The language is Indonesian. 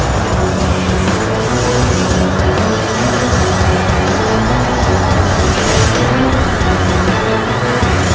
ciri sehat itu kami dapatkan karena mereka mengambilkan olahraga mereka